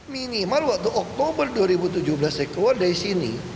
minimal waktu oktober dua ribu tujuh belas saya keluar dari sini